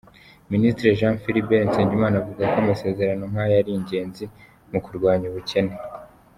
Minisitiri Jean Philbert Nsengimana avuga ko amasezerano nk’aya ari ingenzi mu kurwanya ubukene.